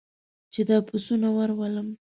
چې دا پسونه ور ولم.